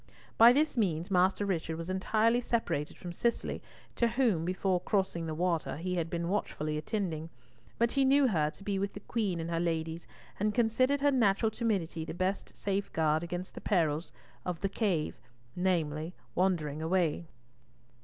By this means, Master Richard was entirely separated from Cicely, to whom, before crossing the water, he had been watchfully attending, but he knew her to be with the Queen and her ladies, and considered her natural timidity the best safeguard against the chief peril of the cave, namely, wandering away.